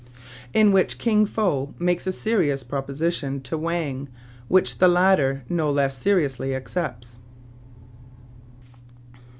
IN WHICH KIN FO MAKES A SERIOUS PROPOSITION TO WANG, WHICH THE LATTER NO LESS SERI OUSLY ACCEPTS.